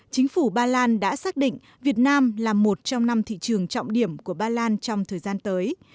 chính phủ ba lan đã xác định việt nam là một trong năm thị trường trọng điểm của ba lan trong thời gian tới